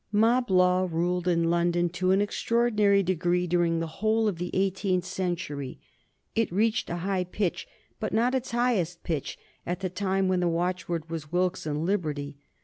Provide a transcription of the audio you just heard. [Sidenote: 1752 Mob violence in London] Mob law ruled in London to an extraordinary degree during the whole of the eighteenth century. It reached a high pitch, but not its highest pitch, at the time when the watchword was Wilkes and Liberty.